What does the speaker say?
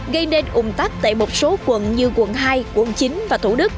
gây nên ủng tắc tại một số quận như quận hai quận chín và thủ đức